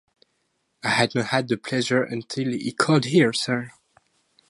I had not had that pleasure until he called here, sir.